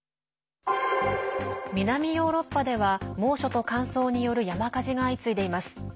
南ヨーロッパでは猛暑と乾燥による山火事が相次いでいます。